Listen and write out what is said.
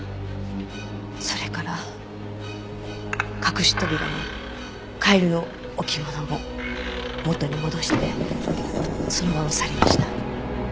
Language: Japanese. それから隠し扉もカエルの置物も元に戻してその場を去りました。